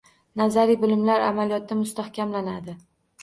Nazariy bilimlar amaliyotda mustahkamlanadi